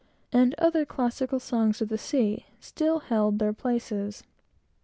and all those classical songs of the sea, still held their places.